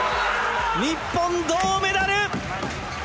日本銅メダル。